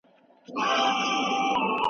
د ماشومانو مخې ته سګرټ مه څکوئ.